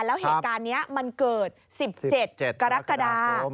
แล้วเหตุการณ์นี้มันเกิด๑๗กรกฎา